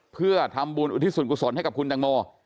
เพื่อทำบุญอุทิศส่วนกุศลให้กับคุณตังโม